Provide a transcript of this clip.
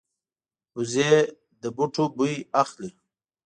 وزې له بوټو بوی اخلي